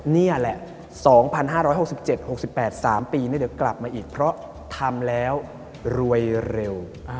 นี่แหละ๒๕๖๗๖๘๓ปีเดี๋ยวกลับมาอีกเพราะทำแล้วรวยเร็ว